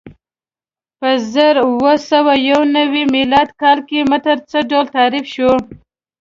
په زر اووه سوه یو نوې میلادي کال کې متر څه ډول تعریف شو؟